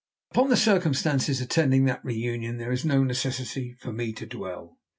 Upon the circumstances attending that reunion there is no necessity for me to dwell.